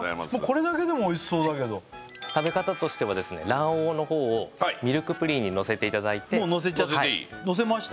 これだけでもおいしそうだけど食べ方としては卵黄の方をミルクプリンにのせていただいてもうのせちゃのせました